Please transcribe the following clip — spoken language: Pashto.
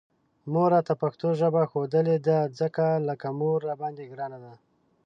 مور راته پښتو ژبه ښودلې ده، ځکه لکه مور راباندې ګرانه ده